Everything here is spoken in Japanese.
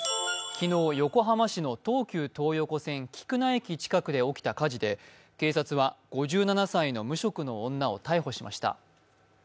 昨日、横浜市の東急東横線・菊名駅近くで起きた火事で、警察は５７歳の無職の女を逮捕しました。